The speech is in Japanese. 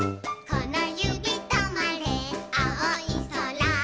「このゆびとまれあおいそら」